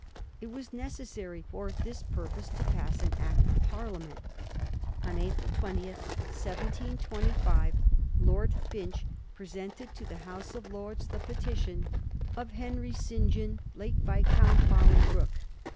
It was necessary for this purpose to pass an Act of Parliament. On April 20, 1725, Lord Finch presented to the House of Lords the petition *of Henry St. John, late Viscount Bolingbroke.'